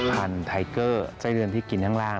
พันธุ์ไทเกอร์ไส้เดือนที่กินข้างล่าง